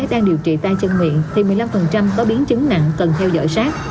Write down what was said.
đang điều trị tay chân miệng thì một mươi năm có biến chứng nặng cần theo dõi sát